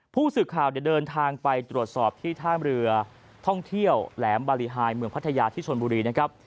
ผู้สื่อข่าวเดินทางไปตรวจสอบที่ท่ามเรือท่องเที่ยวแหลมบารีไฮเมืองพัทยาที่ชนบุรีนะครับ